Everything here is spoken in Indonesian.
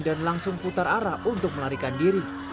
dan langsung putar arah untuk melarikan diri